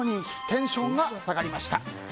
テンションが下がりました。